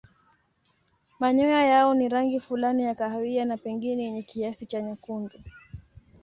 Manyoya yao ni rangi fulani ya kahawia na pengine yenye kiasi cha nyekundu.